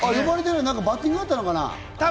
何かバッティングがあったのかな？